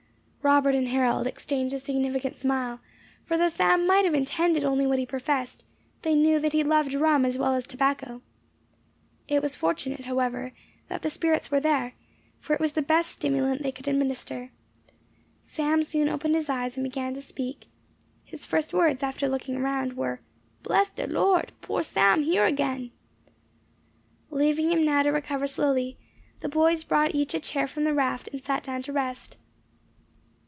Robert and Harold exchanged a significant smile; for though Sam might have intended only what he professed, they knew that he loved rum as well as tobacco. It was fortunate, however, that the spirits were there, for it was the best stimulant they could administer. Sam soon opened his eyes, and began to speak. His first words, after looking around, were, "Bless de Lord! Poor Sam here again!" Leaving him now to recover slowly, the boys brought each a chair from the raft, and sat down to rest.